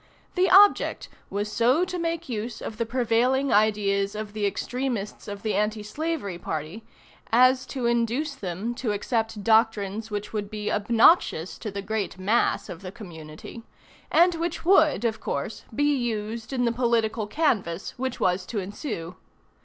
The object was to so make use of the prevailing ideas of the extremists of the Anti Slavery party, as to induce them to accept doctrines which would be obnoxious to the great mass of the community, and which would, of course, be used in the political canvass which was to ensue.